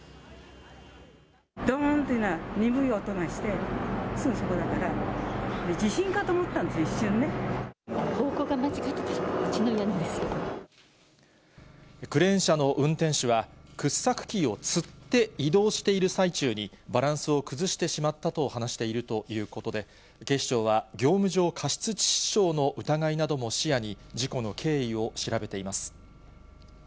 どーんというような鈍い音がして、すぐそこだから、方向が間違ってたら、うちのクレーン車の運転手は、掘削機をつって移動している最中に、バランスを崩してしまったと話しているということで、警視庁は業務上過失致死傷の疑いなども視野に、事故の経緯を調べ